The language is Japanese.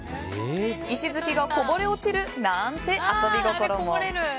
石づきがこぼれ落ちるなんて遊び心も。